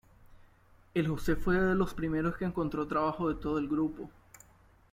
El José fue de los primeros que encontró trabajo de todo el grupo.